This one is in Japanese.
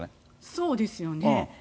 そうですよね。